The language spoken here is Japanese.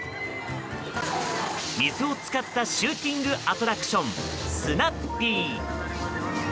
水を使ったシューティングアトラクションスナッピー。